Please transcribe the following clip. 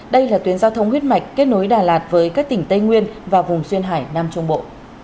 đây là tuyến giao thông huyết mạch kết nối đà lạt với các tỉnh tây nguyên và vùng xuyên hải nam trung bộ